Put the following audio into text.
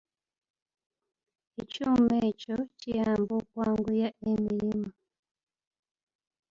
Ekyuma ekyo kiyamba okwanguya emirimu.